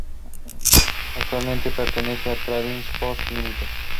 Actualmente pertenece a Trading Post Limited.